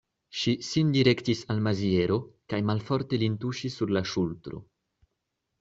Ŝi sin direktis al Maziero, kaj malforte lin tuŝis sur la ŝultro.